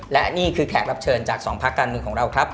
และนี่คือแขกรับเชิญจากสองพักการเมืองของเราครับ